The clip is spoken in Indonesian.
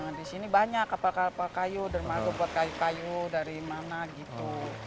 nah di sini banyak kapal kapal kayu dermaga buat kayu kayu dari mana gitu